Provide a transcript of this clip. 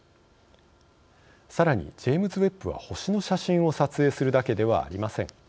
さらに、ジェームズ・ウェッブは星の写真を撮影するだけではありません。